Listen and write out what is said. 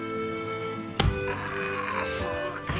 ああそうか。